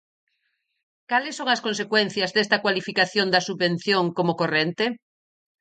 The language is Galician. ¿Cales son as consecuencias desta cualificación da subvención como corrente?